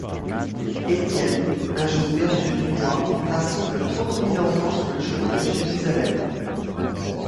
Étienne, un jeune berger de Dunois, rassemble trente-mille enfants sur le chemin de Jérusalem.